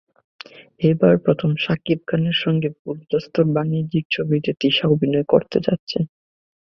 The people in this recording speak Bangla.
এবারই প্রথম শাকিব খানের সঙ্গে পুরোদস্তুর বাণিজ্যিক ছবিতে তিশা অভিনয় করতে যাচ্ছেন।